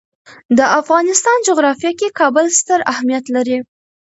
د افغانستان جغرافیه کې کابل ستر اهمیت لري.